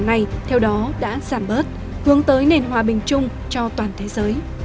nhưng quốc gia này theo đó đã giảm bớt hướng tới nền hòa bình chung cho toàn thế giới